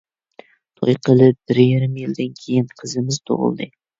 توي قىلىپ بىر يېرىم يىلدىن كېيىن قىزىمىز تۇغۇلدى.